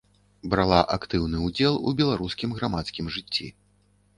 Брала актыўны ўдзел у беларускім грамадскім жыцці.